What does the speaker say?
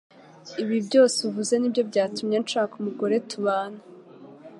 ibi byose uvuze nibyo byatumye nshaka umugore tubana.